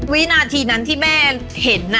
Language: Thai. วินาทีนั้นที่แม่เห็น